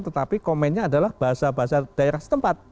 tetapi komennya adalah bahasa bahasa daerah setempat